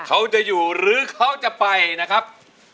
เขาจะอยู่หรือเขาจะไปนะครับ